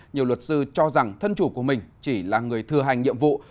nhiều luật sư cho rằng thân chủ của mình chỉ là người thừa hành nhiệm vụ